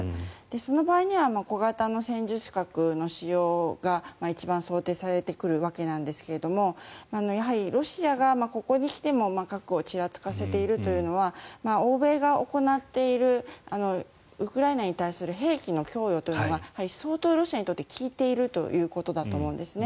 その場合には小型の戦術核の使用が一番想定されてくるわけですがやはり、ロシアがここに来ても核をちらつかせているというのは欧米が行っているウクライナに対する兵器の供与というのはやはり相当ロシアに対して効いているということだと思います。